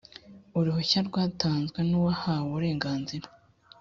uruhushya rwatanzwe n’uwahawe uburenganzira